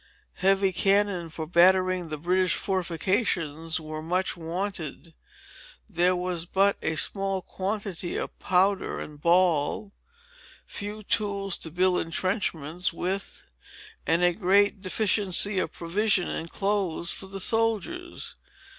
Heavy cannon, for battering the British fortifications, were much wanted. There was but a small quantity of powder and ball, few tools to build entrenchments with, and a great deficiency of provisions and clothes for the soldiers.